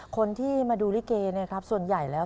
คนที่มาดูริเกย์เนี่ยครับส่วนใหญ่แล้ว